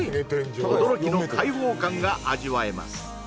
驚きの開放感が味わえます